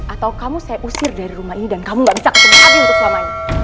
atau kamu saya usir dari rumah ini dan kamu gak bisa ketemu api untuk selamanya